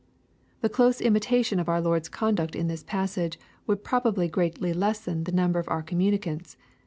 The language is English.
The close imitation of our Lord's conduct in this passage would probably greatly lessen the number of our commu nicants.